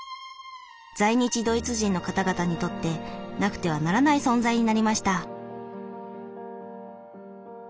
在日ドイツ人の方々にとってなくてはならない存在になりました。